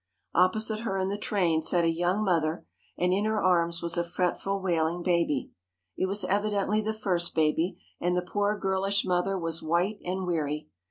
Opposite her in the train sat a young mother, and in her arms was a fretful wailing baby. It was evidently the first baby, and the poor girlish mother was white and weary.